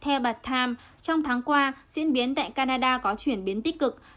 theo bà times trong tháng qua diễn biến tại canada có chuyển biến tích cực